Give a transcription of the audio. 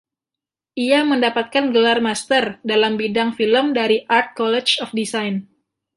Ia mendapatkan gelar master dalam bidang film dari Art College of Design.